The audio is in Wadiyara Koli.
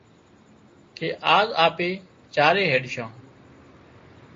ڪي آز آپ چارئي هينڏشان